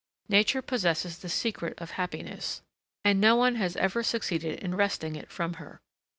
Nature possesses the secret of happiness, and no one has ever succeeded in wresting it from her.